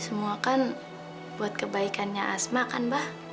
semua ini adalah kebaikan asma bukan